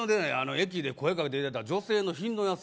駅で声かけていただいた女性の品のよさ